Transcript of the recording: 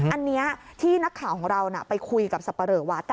อันนี้ที่นักข่าวของเราไปคุยกับสับปะเหลอวัด